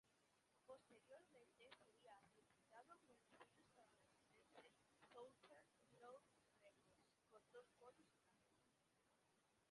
Posteriormente sería re-editado por el sello estadounidense Southern Lord Records, con dos bonus tracks.